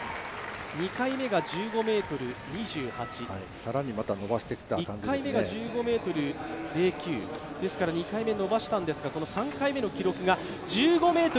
２回目は１５ｍ２８、１回目が１５ｍ０９、ですから２回目伸ばしたんですが、３回目の記録が１５ｍ３７。